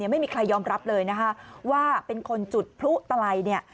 ไม่มีใครยอมรับเลยนะคะว่าเป็นคนจุดพลุตลัยเนี่ย